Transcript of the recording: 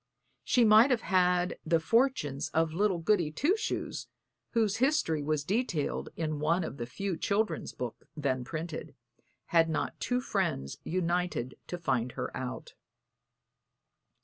She might have had the fortunes of little Goody Two Shoes, whose history was detailed in one of the few children's books then printed, had not two friends united to find her out.